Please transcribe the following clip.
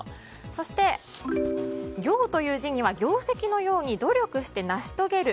そして、業という字には業績のように努力してなしとげる